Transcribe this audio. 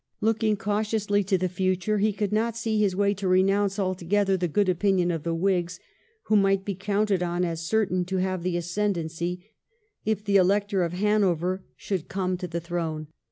Looking cautiously to the future, he could not see his way to renounce altogether the good opinion of the Whigs who might be counted on as certain to have the ascendency if the Elector of Hanover should come to the throne.